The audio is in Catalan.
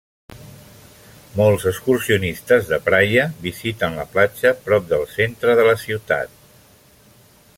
Molts excursionistes de Praia visiten la platja prop del centre de la ciutat.